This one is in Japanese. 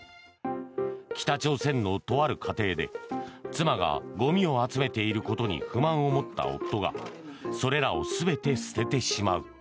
北朝鮮のとある家庭で妻がごみを集めていることに不満を持った夫がそれらを全て捨ててしまう。